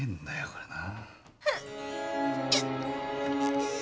これな。